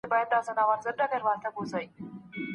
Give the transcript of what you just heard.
مثبت معلومات مو فکر ته وده ورکوي.